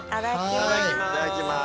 いただきます。